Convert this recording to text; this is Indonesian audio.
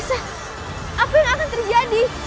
biar ayah anda